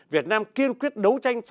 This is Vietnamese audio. việt nam kiên quyết đấu tranh